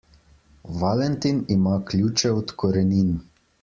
Valentin ima ključe od korenin.